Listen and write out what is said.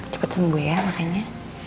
cepet sembuh ya makanya